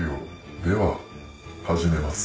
では始めます。